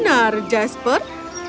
sekarang ayo pulang ke rumah facebook